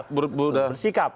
jadi sudah bersikap